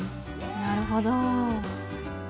なるほど。